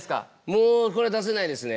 もうこれは出せないですね